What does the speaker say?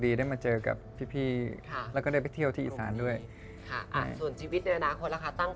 ตอนแรกยาวกว่านี้แล้วเพิ่งตัดได้๒อาทิตย์มั้งค่ะตอนแรกยาวกว่านี้แล้วเพิ่งตัดได้๒อาทิตย์มั้งค่ะ